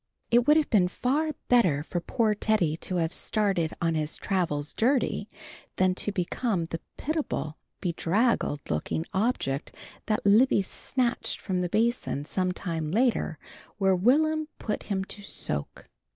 It would have been far better for poor Teddy to have started on his travels dirty, than to have become the pitiable, bedraggled looking object that Libby snatched from the basin some time later, where Will'm put him to soak.